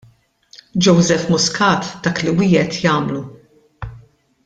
Joseph Muscat dak li wiegħed jagħmlu.